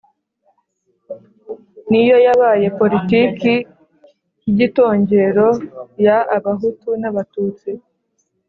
niyo yabaye politiki n’igitongero ya abahutu n’abatutsi